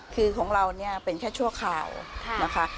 คือของเราเนี่ยเป็นแค่ชั่วคราวนะคะ